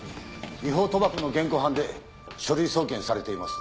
違法賭博の現行犯で書類送検されています。